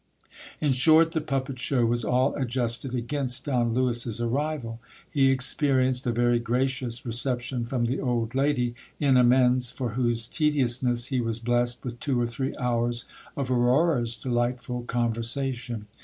In short, the puppet show was all adjusted against Don Lewis's arrival. He experienced a very gracious reception from the old lady, in amends for whose tediousness he was blessed with two or three hours of Aurora's delightful con versation.